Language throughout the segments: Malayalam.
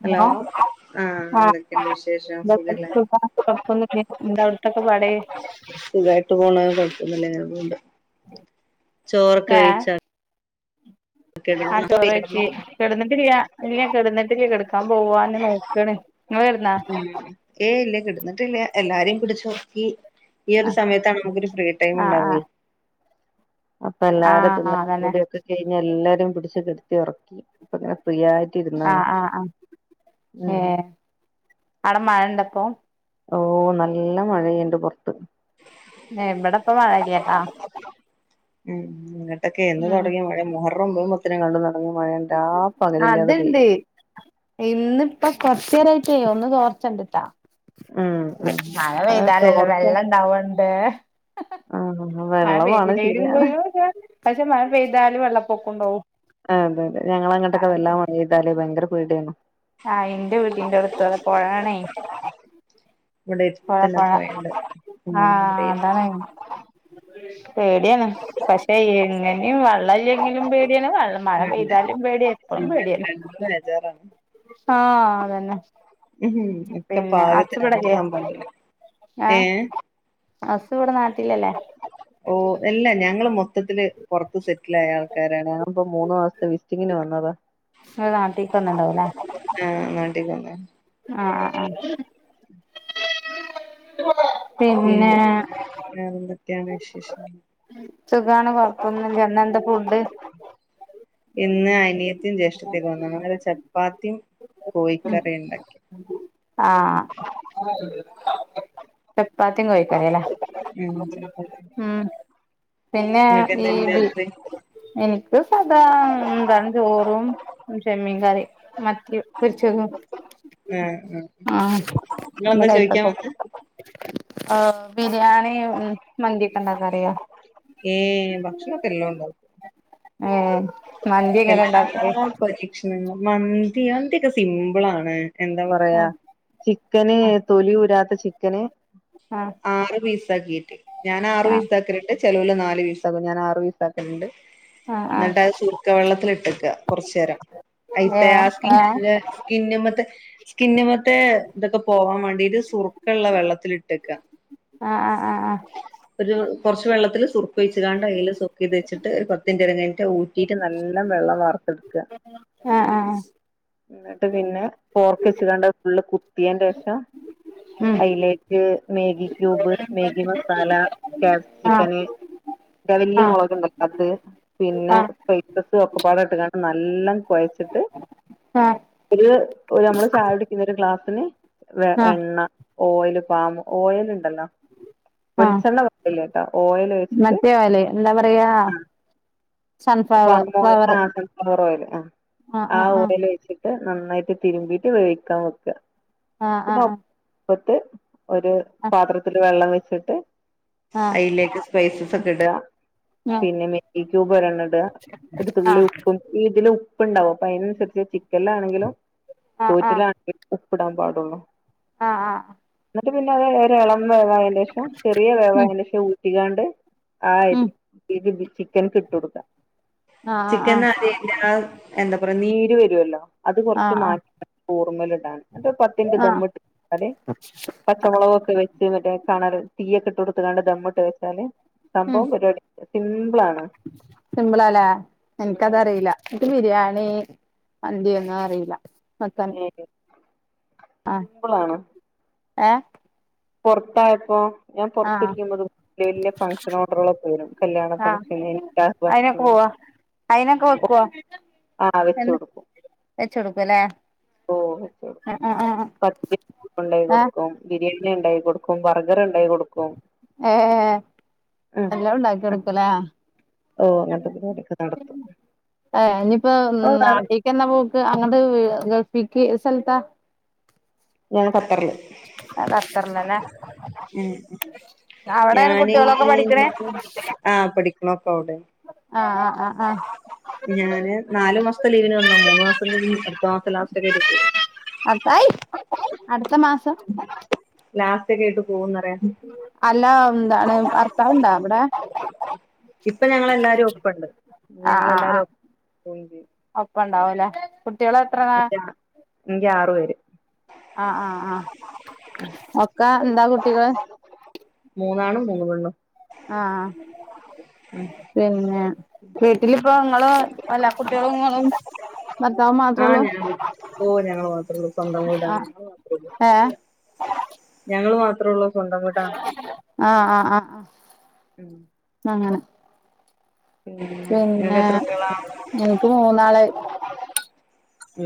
ഹലോ ആഹ എന്തൊക്കെയ വിശേഷം സുഖല്ലേ പ്പ [unintelligible] എന്ത [unintelligible] സുഖയിട്ട് പോണ കുഴപ്പന്നില്ല ഞതുകൊണ്ട് ചോറൊക്കെകഴിച്ചാ ആ ചോറ് വെച്ചി കിടന്നിട്ടില്ല ഇല്ല കിടന്നിട്ടിരിയാ കെടക്കാൻ പോവാന്ന് നോക്കാണ് [unintelligible] വരുന്നാ [inaudible] ഏ ഇല്ല കിടുന്നിട്ടില്ല എല്ലാരെയും പിടിച്ച നോക്കി ഈ ഒരു ആഹ് സമയത്താണ് നമുക്കൊരു ഫ്രീ ടൈം ഉണ്ടാവേ ആഹ് അപ്പൊ ആഹ് എല്ലാരും തിന്ന ആഹ് അതന്നെ കൂടൊക്കെ കഴിഞ്ഞ എല്ലാരും പിടിച്ചച്ച് കെടുത്തി ഉറക്കി അപ്പ ഇങ്ങനെ ഫ്രീയായി ആഹ ആഹ ആ ഏ ഉം അടെ മഴ ഉണ്ടപ്പൊ ഓ നല്ല മഴയണ്ട് പുറത്ത് ഇവിടെ ഇപ്പ മഴയില്ലട്ടാ ഉം എന്നങ്ങട്ടൊക്കെ എന്ന് ഉം തുടങ്ങിയ മഴ മുഹറു ഒമ്പ പത്തിന കണ്ടു തുടങ്ങിയ മഴയ അത്ണ്ട് ഇന്നിപ്പ കൊറച്ചു നേരായിട്ട ഒന്ന് തോർച്ചണ്ടിട്ടാ ഉം ഉം മഴ അത് പെയ്താലല്ലോ വെള്ളം ഇണ്ടാവണ്ട് ആഹ ആ ആഹ് മഴ വെള്ളമാണ് പെയ്തില്ലേലുംണ്ടോ ശരിയാണ് പക്ഷെ മഴ പെയ്താല് വെള്ളപ്പൊക്കം ഉണ്ടാവും അതെ അതെ ഞങ്ങ അങ്ങോട്ടൊക്കെ വെല്ലാം മഴപെയ്താലേ ഭയങ്കര പീടിയാണ് ആഹ് എന്റെ വീടിന്റെ അടുത്തു അത പുഴണേ ഇവിടെ എടുത്തന്നെ പുഴപുഴ പോയണ്ട് ഉം ആഹ ഇവിടെ അതാണ് പേടിയാണ് പക്ഷെ എങ്ങനെയും വെള്ളംമല്ലെങ്കിലും പേടിയാണ് വെള്ളം മഴ പെയ്താലും പേടിയാണ് എപ്പോഴും പേടിയാണ് ബെജാരാണ് ആഹ അതന്നെ ഉ ഒക്കെ പിന്നെ പാകത്തിന ഞാൻ പറ ആഹ അസു ഇവിടെ നാട്ടില്ലല്ലേ ഓ അല്ല ഞങ്ങള് മൊത്തത്തിൽ പുറത്ത് സെറ്റ് [unintelligible] ആൾക്കാരാണ് ഞ ഇപ്പ മൂന്ന് മാസത്തെ വിസിറ്റിങ്ങി വന്നതാ ഒരു നാട്ടിലേക്ക്ന്നണ്ടാവുംലേ ആഹ നണ്ടിക്കന്ന ആ [inaudible] പിന്നെ അ [unintelligible] സുഖമാണ് കൊഴപ്പൊന്നുല്ല ഇന്ന എന്താ ഫുഡ് ഇന്ന് അനിയത്തിയും ജ്യേഷ്ഠതും വന്നാണ് അങ്ങെ ചപ്പാത്തിയും കോഴിക്കറിയും ഉണ്ടാക്കെ [inaudible] ആഹ ഉം [inaudible] ചെപ്പാത്തിയും കോഴിക്കറല്ല ഉം ചപ്പാത്തി ഉ പിന്നെ നിങ്ങൾക്ക് ഈ എന്തായിരുന്നു രാത്രി എനിക്ക് സദാ എന്താണ് ചോറും ചമ്മീൻ കറി മത്തി പൊരിച്ചത് ആഹ് ആഹ് നിങ്ങെന്താ ചോദിക്കാൻ കൈപ്പക്കും വന്നത് ആഹ് ബിരിയാണി മന്തിയൊക്കെ ഉണ്ടാക്കാൻ അറിയോ ഏയ് ഭക്ഷണൊക്കെ എല്ലാം ഉണ്ടാക്കും ഏഹ് മന്തി എങ്ങനെ എല്ലാ ഉണ്ടാക്കല് പരീക്ഷണങ്ങളും മന്തി മന്തി ഒക്കെ സിമ്പിളാണ് എന്താ പറയാ ആഹ് ചിക്കന് തൊലിയൂരാത്ത ചിക്കന് ആഹ് ആറ് പീസ് ആക്കീട്ട് ഞാൻ ആറ് ആഹ് പീസ് ആക്കിട്ട് ചെലോ ല് നാല് പീസ് ആകും ഞാൻ ആറ് പീസാക്കുന്നുണ്ട് ആഹ് ആഹ് ആഹ് എന്നിട്ട് ക്ക വെള്ളത്തിൽ ഇട്ടക്ക കൊറച്ച് നേരം അയിത്തെ ആ ഏഹ് സ്കി ഏഹ് സ്കിന്നമത്തെ സ്കിന്നിമത്തെ ഇതൊക്കെ പോവാൻ വേണ്ടിട്ട് സുറുക്കള്ള വെള്ളത്തിട്ടേക്ക ആഹ് ആഹ് ആഹ് ആഹ് ഒരു കുറച്ച് വെള്ളത്തിൽ സുർക്ക ഒഴിച്ച് കാണ്ട് അതിൽ സുക്ക് ചെയ്ത് വെച്ചിട്ട് ഒരു പത്തിൻ്റ്റ് ഇറങ്ങിട്ട് ഊറ്റി നല്ല വെള്ളം വർത്തെടുക്കുക ആഹ് ആഹ് ആഹ് ആഹ് എന്നിട്ട് പിന്നെ പോർക്ക്ച്ച്കാണ്ട് ഫുള്ള് കുത്തിയ ൻ്റെ ശേഷം ഉം അതിലേക്ക് മാഗി ക്യൂബ് മഗി മസാല ആഹ് ക്യാപ്സിക്കന് ആ വല്ല്യ ആഹ് മുളക്ണ്ടല്ലോ അത് പിന്നെ ആഹ് സ്പൈസസ് ഒക്കെപ്പാടം ഇട്ട് ട്ട് നല്ലോം കുഴച്ചിട്ട് ആഹ് ഒരു നമ്മള് ചായ കുടിക്കുന്ന ഒരു ക്ലാസ്സിന് വ ആഹ് എണ്ണ ഓയിൽ പാമ്പ ഓയിൽ ഉണ്ടല്ലോ ആഹ് വെളിച്ചെണ്ണ പറ്റില്ലേട്ടാ ഓയിൽ ഒഴിച്ചിട്ട് മറ്റേ ഓയില് എന്താ പറയാ സൺഫ്ലവർ മ്മ ഓ ഫ്ലവർ സൺഫ്ലവർ ഓയിൽ ആ ആഹ് ആ ആഹ് ആഹ് ഓയിൽ ഒഴിച്ചിട്ട് നന്നായിട്ട് തിരുമ്പീട്ട് വേവിക്കാൻ വെക്ക ആഹ് പിന്നെപ്പത്ത് ഒരു ആഹ് പാത്രത്തില് വെള്ളം വെച്ചിട്ട് ആഹ് അതിലേക്ക് സ്പൈസസ് ഒക്കെ ഇടുക ആഹ് പിന്നെ മെഗി ക്യൂബ് ഒരെണ്ണം ഇടുക ഒരു തുള്ളി ആഹ് ഉപ്പും ഇതിൽ ഉപ്പ് ഉണ്ടാവും അപ്പൊ അതിനനുസരിച്ച് ചിക്കനിലാണെങ്കിലും ആഹ് ചോറ്റിലാണെങ്കിലും ഉപ്പിടാൻ പാടുള്ളൂ ആഹ് ആഹ് എന്നിട്ട് പിന്നെ അത് ഇളം വേവായതിന്റെ ശേഷം ചെറിയ ഉം വേവായന്റെ ശേഷം ഊറ്റികാണ്ട് ഉം ആയിര് ചിക്കൻകിട്ട് കൊടുക്ക ആഹ് ചിക്കൻ ന ആഹ് എന്താ പറയാ നീര് വരുവല്ലോ അത് കുറച്ച് ആഹ് മാറ്റി ചോർമ്മല് ഇടാണ് എന്നിട്ട് പത്തിൻ്റ്റ് ആഹ് ആഹ് ദമ്മിട്ട് പച്ചമുളകൊക്കെ വെച്ച് മറ്റെ കാണാല് തീയൊക്കെട്ട് കൊടുത്ത് കൊണ്ട് ദമ്മിട്ട് വെച്ചാല് സംഭവം പരിപാടി സിംമ്പിളാണ് സിംബിളാല്ലേ എനിക്കതറിയില്ല എനിക്ക് ബിരിയാണി മന്തിയൊന്നും അറിയില്ല വെക്കാൻ ആഹ് സിമ്പിളാണ് ഏഹ് പൊറത്തായപ്പോ ഞാൻ ആഹ് പൊറത്തിരിക്കുമ്പത് വല്ല്യ വല്ല്യ ഫംഗ്ഷനോടറുകളൊക്കെ വരും കല്യാണ ആഹ് ഫംഗഷന് ലാസ് അയിനൊക്കെ ഫാഷന് പോവാ അയിനൊക്കെ വെക്കുവോ ആഹ് വെച്ച് കൊടുക്കും വെച്ച് കൊടുക്കുംലേ ഓഹ് വെച്ച് കൊട്ക്കും പത്തിരി ഉണ്ടാക്കി ആഹ് കൊടുക്കും ബിരിയാണി ഉണ്ടാക്കി കൊടുക്കും ബർഗർ ഉണ്ടായി കൊടുക്കും ഏഹ് ഉം എല്ലാം ഉണ്ടാക്കി കൊടുക്കുലേ ഓ അങ്ങനത്തെ പരിപാടിയൊക്കെ നടത്തും ഏ ഇനിയിപ്പോ ഓ കാണും. നാട്ടിലേക്ക് എന്നാ പോക്ക് അങ്ങട്ട ഗൾഫക്ക് സ്ഥലത്താ ഞാൻ കത്തറില് ആ കത്തറിലെനെ ഉം അവിടെണോ കുട്ടികളൊക്കെ പഠിക്കണേ ആ പഠിക്കണോക്കെ അവിടെ ആഹ് ആഹ് ആഹ് ആഹ ഞാന് നാല് മാസത്തെ ലീവിന് വന്ന മൂന്ന്മാസത്തെ കയിഞ്ഞി അടുത്ത മാസം ലാസ്റ്റ ഒക്കെ ആട്ട് പോവും അടുത്തായി അടുത്ത മാസം ലാസ്റ്റ് ഒക്കെ ആയിട്ട് പോകന്ന്റിയ അല്ല എന്താണ് ഭർത്താവുണ്ടാ ഇവിടെ ഇപ്പൊ ഞങ്ങെല്ലാരും ഒപ്പണ്ട് ആഹ ആഹ ആഹ ഞങ്ങളെല്ലാരും പോവും ഒപ്പണ്ടാവുംലേ എങ്ക ആറു പേര് ആഹ ആഹ് ആ് ഒക്കാ എന്താ കുട്ടികള് മൂന്നാണ് മൂന്ന് പെണ്ണും ആഹ പിന്നെ വീട്ടിലിപ്പ നിങ്ങള് എല്ലാ കുട്ടികളും നിങ്ങളും ഭർത്താവും മാത്രേ ആഹ ഉള്ളൂ ഞ ഓ ഞങ്ങള് മാത്രേ ഉള്ളു സ്വന്തം വീടാണ് ആഹ് ഞങ്ങള് മാത്രേള്ള ഏഹ് ഞങ്ങള് മാത്രേ ഉള്ളൂ സ്വന്തം വീടാണ് ആഹ് ആഹ് ആഹ് ആഹ ഉം അങ്ങനെ പിന്നെ നിങ്ങക്ക് പിന്നെ എത്ര കുട്ടികളാ എനിക്ക് മൂന്നാള് ഉ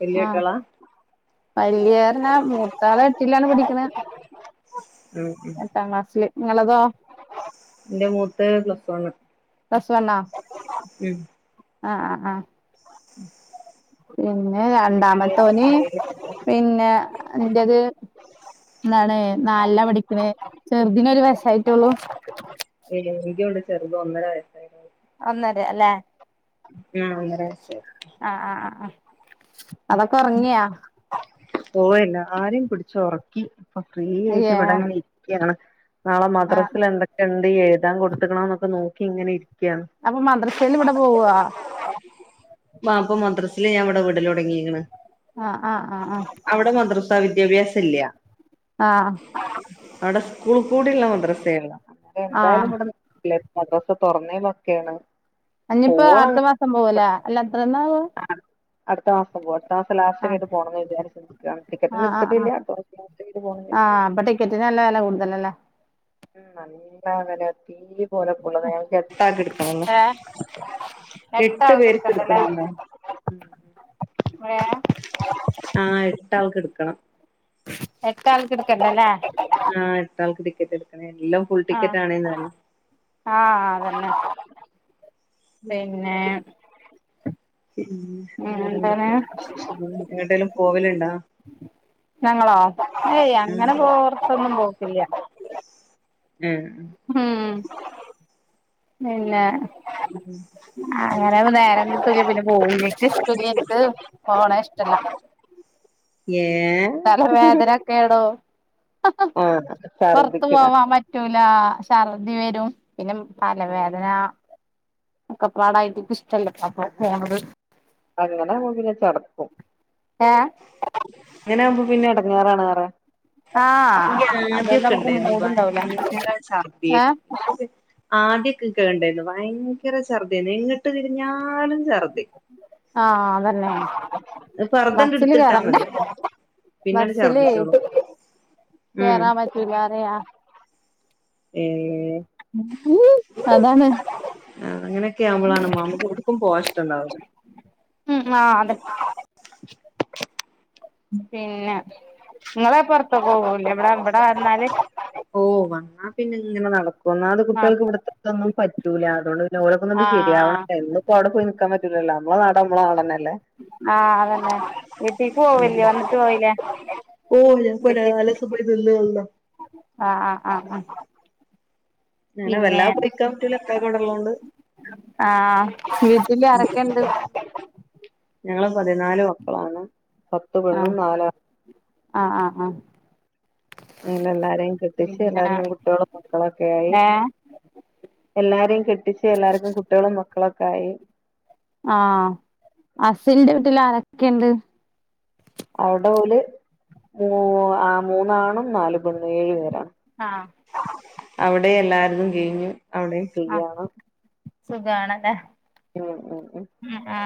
വല്യ കുട്ടിളാ വല്യേറിഞാമൂത്താള എട്ടില്ലാണ് പഠിക്കണ ഉം ഉം എട്ടാം ക്ളാസില് നിങ്ങളതോ എന്റെ മൂത്തത് പ്ലസ് വൻ പ്ലസ് വണ്ണോ ഉം ആഹ ആ ആഹ് ഉ പിന്നെ രണ്ടാമത്തോന് പിന്നെ ഇന്റെത് എന്താണ് നാല പഠിക്കണേ ചെറുതിന ഒരു വയ സായിട്ടുള്ളു ഏ എനക്ക ചെറുത് ഒന്നര വയസ്സായി ഒന്നര അല്ലേ ആ ഒന്നര വയസ്സായി ആഹ ആ ആ ആ അതൊക്കെ ഉറങ്ങിയാ പോയില്ല ആരെയും പിടിച്ച ഉറക്കി ഇപ്പൊ ഫ്രീ ആയിട്ട് അയ്യേ ഇവിടെ ഇങ്ങനെ ഇരിക്കയാണ് നാളെ ആഹ് മദ്രാസൽ എന്തൊക്കെ ഉണ്ട് എഴുതാൻ കൊടുക്കണന്നൊക്കെ നോക്കി ഇങ്ങനെ ഇരിക്കയാണ് അപ്പൊ മദ്രസയിലും ഇവിടെ പോവാ മാ ഇപ്പൊ മദ്രസില് ഞാൻ ഇവിടെ വീടല തുടങ്ങിക്ന് ആഹ് ആഹ് ആഹ് ആഹ അവിടെ മദ്രസാ വിദ്യാഭ്യാസം ഇല്ല ആഹ അവിടെ സ്കൂൾ കൂടിള്ള മദ്രസുള്ള അങ്ങെ എന്തായാലും ആഹ് ഇവിടെ മദ്രസ തുറന്നേയിലൊക്കെയാണ് അഞ്ഞപ്പോ അടുത്ത മാസം പോവലേ അല്ല അത്രന്നാവ ആ അടുത്ത മാസം പോവു അത്ത ദസ ലാസ്റ്റ് ആഹ് ആട്ട പോണെന്ന് വിചാരി ടിക്കറ്റ ഒന്ന എടുത്തിട്ടില്ല അം ലസ്റ്റ്ട്ട് പോ ആ അപ്പം ട്ടിക്കെറ്റ് ട്ടിക്കെറ്റിന് നല്ല വെലകൂടുതൽ അല്ലെ ഉം നല്ല വല തീ പോലെക്കള്ളത ഞാൻ ട്ടാക്കി എടുക്കണല്ല ഏഹ് എട്ട് എട്ടാൾക്ക് പേർക്ക് എടുക്കണ്ടല്ലേ എടുക്കണംല്ല വേ ആഹ് എട്ട ആൾക്ക് എടുക്കണം എട്ടാൾക്ക് ടുക്കണ്ടല്ലേ ആ എട്ടാൾക്ക് ടിക്കറ്റ് എടുക്കണ എല്ലാം ഫുൾ ടിക്കറ്റ് ആണേന്ന് പറയും ആ അതന്നെ പിന്നെ പിന്നെ ഉം എന്താണ് വേറെന്തൊക്കെയ വിേഷ എങ്ങടെിലും പോവൽണ്ടോ ഞങ്ങളോ ഏയ് അങ്ങനെ പോറത്തൊന്നും പോക്കില്ല ഉം ഉം പിന്നെ ഉം ആ ഞാന നേരം കിട്ടൂല പിന്നെ പോകട്ട് ഇഷ്ടല്ല എനിക്ക് പോകണേ ഇഷ്ടല്ല ഏഹ് തലവേദനൊക്കെട ആഹ് പുറത്ത ഛർദിക്കണ പോവാറ്റ റ്റല ഛർദി വരും പിന്നെ തലവേദന ഒക്കപ്പാടായിട്ടക്ക് ഇഷ്ടല്ല അപ്പൊ പോണത് അങ്ങനെ പിന്നെ ചടക്കും ഏഹ് എങ്ങനെ ആവുമ്പോ പിന്നെ ഇടങ്ങാറാണ്റെ ആഹ് ഇ അതോണ്ട് ആദ്യൊക്കെ നമുക്ക് മൂഡ്ണ്ടാവൂല ഇണ്ടായിരുന്നു ശറദ്യ ഏഹ് ആദ്യക്കക്ക ഉണ്ടായിന്ന് ഭയങ്കര ഛർദി എങ്ങിട്ട് തിരിഞ്ഞാലും ഛർദി ആഹ് അതെ അല്ലെ പർദ്ദണ്ട് ബസില് എടുത്തിട്ടാ കേയറണ്ട മതി പിന്നണ്ട് ബസില് ഛർദിച്ചോളും ഉം കേറാ പറ്റൂല അറെയ ഏഹ് ഉ അതാണ് ആഹ് അങ്ങനൊക്കെ നമ്മളാണ് നമ്മുക്ക് കൊടുക്കും പോഷ്ടം ഉണ്ടാവില്ല ഉം ആ അതെ പിന്നെ നിങ്ങളെ പുറത്ത പോകൂല്ല എവിടെ എവിടെ വന്നാല് ഓ വന്നാ പിന്നെ ഇങ്ങനെ നടക്കും ഒന്നാമത് കുട്ടികൾക്ക് ഇവിടത്തെതൊന്നും പറ്റൂല്ല അതോണ്ട് പിന്ന ആ ഓരൊക്കൊന്നണ്ട് ആഹ് ശരിയാവണും അ അടെ പോയി നിക്കാ പറ്റലല്ലോ നമ്മള നാ നമ്മളന്നെല്ലേ ആഹ് അതന്നെ വീട്ടീക്ക് പോവല്ലേ വന്നിട്ട് പോയില്ലേ ഓ ഞാൻ പോരാ വീട്ടി കാലസ പോയി നിന്ന് വന്നോ ആ ആ ആഹ് ആഹ് ഞനെ വെല്ലാ പോയിക്കാൻ പറ്റൂല എപ്പ കടള്ളോ കൊണ്ട് ആഹ് വിട്ടല്ആരൊക്കെുണ്ട് ഞങ്ങള് പതിനാല് മക്കളാണ് പത്ത്പെണ്ണും നാല ആഹ് ആഹ് ആഹ് അല്ല എല്ലാരെയും ക്കെട്ടിച്ച് പിന്നെ എല്ലാരും കുട്ടികളും മക്കളൊക്കെ ആയി ഏ എല്ലാരേും കെട്ടിച്ച് എല്ലാർക്കും കുട്ടികളും മക്കളുക്കെ ആയി ആഹ് അസലിന്റെ വീട്ടിൽ ആരൊക്കെയണ്ട് അവടെ ല് മ ആ മൂന്നാണ നാല് പെണ് ഏഴു പേരാണ് ആഹ് അവടെ എല്ലാരതും കഴിഞ്ഞു അവിടെയും ആഹ് ഫ്രീയാണ് സുഖണല്ലേ ഉം ഉം ഉം ആ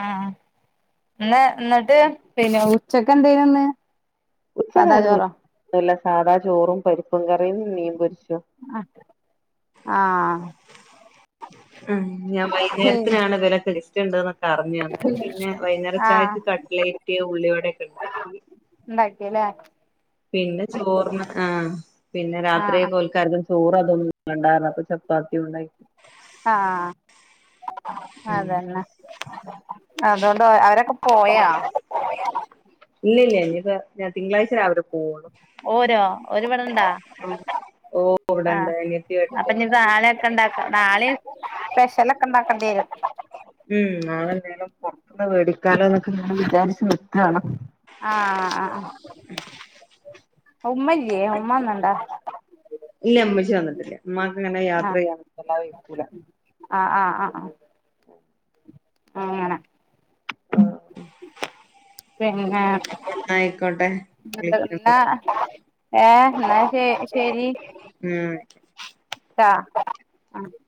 എന്നാ എന്നിട്ട് പിന്നെ ഉച്ചക്കെ എന്തനന്ന് ഉച്ച കല്ല സാധാ ചോറും പരിപ്പും കറിയും മീൻ പൊരിച്ചു ആഹ് ആ ആ ഞാൻ പി വൈകുന്നേരത്തിനാണ് വിലൊക്കെ ഗസ്റ്റ് ഉണ്ട്ന്ന് പറഞ്ഞുവന്ന പിന്നെ ആ വൈകുന്നേരചയക്ക് കട്ട്ലേറ്റ് ഉള്ളിവടയൊക്കെ ഉണ്ടാക്കി ഇണ്ടായല്ലേ പിന്നെ ചോർന് ആ പിന്നെ ആഹ് രാത്രിയോൽക്കാർക്കും ചോറ് അതൊന്നും വാണ്ടാറഞ്ഞപ്പം ചപ്പാത്തി ഉണ്ടാക്കി ആഹ അതന്നെ അതുകൊണ്ട് അവരൊക്കെ പോയാ. ഇല്ലില്യാ ഇനി [unintelligible] തിങ്കളാഴ്ച രാവിലെ പോവുള്ളു ഓരോ ഓലിവിടെണ്ടോ? ഓ ആഹ ഇവിടെണ്ട് അനിയത്തി അപ്പൊ ഏട്ടത്തി ഇനി ഇവിടെണ്ട് നാളൊക്കെ ഇണ്ടാക്ക! നാളും സ്പെഷെലൊക്കെ ഉണ്ടാക്കേണ്ടി വരും ഉം നാളെന്തായാലും പൊർത്ത്ന്ന് വേടിക്കാന് ന്നൊക്കെ വിചാരിച്ച് നിക്കാണ് ആ ആഹ ഉമ്മല്ല്യേ ഉമ്മന്നുണ്ടോ? ഇല്ല്യാഉമ്മച്ചി വന്നിട്ടില്ല ഇമ്മാക്ക് അങ്ങനെ യാത്ര ചെയ്യാൻ വല്ലാവെയ്ക്കൂല. ആഹ ആആ ആ [inaudible] ആമണ ട്ടു പിന്നെങ്ങനെ ന്നാ ആയിക്കോട്ടെ വിളിക്കണ്ട് ഇന്നാ ഏ ഇന്നാ ശെ ശരി ഉം ട്ടാഹ് അണക്ക്